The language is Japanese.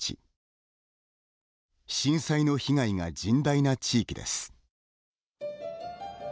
震災の被害が甚大な地域です。